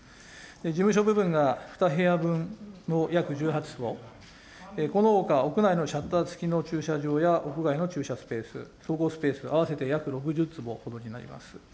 事務所部分が２部屋分の約１８坪、このほか、屋内のシャッター付きの駐車場や屋外の駐車スペース、総合スペース、合わせて約６０坪ほどになります。